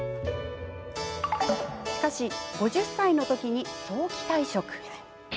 しかし、５０歳の時に早期退職。